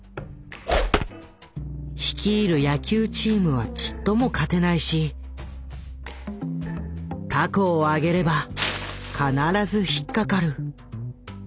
率いる野球チームはちっとも勝てないし凧を揚げれば必ず引っ掛かる。